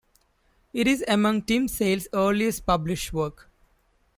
It is among Tim Sale's earliest published work.